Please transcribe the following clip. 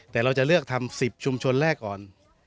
แต่เราจะเลือกทำ๑๐ชุมชนแรกก่อน